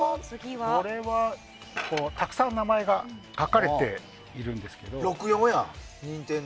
これはたくさんの名前が書かれているんですけど。